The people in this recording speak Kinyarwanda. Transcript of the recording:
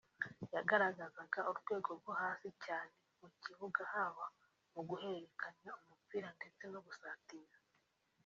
yagaragazaga urwego rwo hasi cyane mu kibuga haba mu guhererekanya umupira ndetse no gusatira